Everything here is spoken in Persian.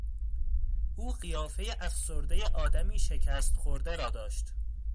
او قیافه افسردهی آدمی شکست خورده را داشت.